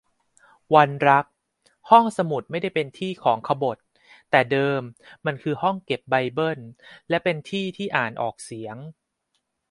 วันรัก : ห้องสมุดไม่ได้เป็นที่ของขบถ แต่เดิมมันคือห้องเก็บไบเบิ้ล และเป็นที่ที่อ่านออกเสียง